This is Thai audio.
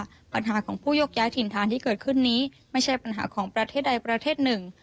ปัญหาของผู้ยกย้ายถิ่นฐานที่เกิดขึ้นนี้ไม่ใช่ปัญหาของประเทศใดประเทศหนึ่ง